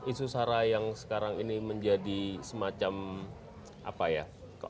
isu sara yang sekarang ini menjadi semacam apa ya